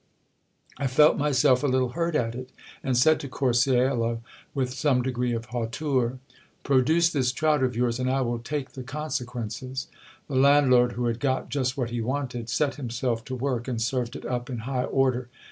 I felt myself a little hurt at it, and said to Corcuelo with some degree of hauteur : Produce this trout of yours, and I will take the con sequences. The landlord, who had got just what he wanted, set himself to work, and served it up in high order.